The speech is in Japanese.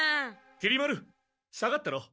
きり丸下がってろ。